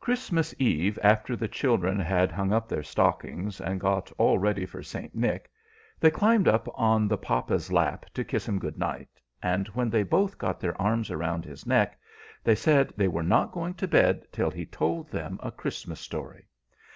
Christmas Eve, after the children had hung up their stockings and got all ready for St. Nic, they climbed up on the papa's lap to kiss him good night, and when they both got their arms round his neck, they said they were not going to bed till he told them a Christmas story.